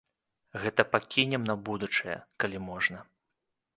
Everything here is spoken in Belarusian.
Гэта пакінем на будучае, калі можна.